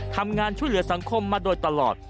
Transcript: ทำงานช่วยเหลือสังคมมาโดยตลอด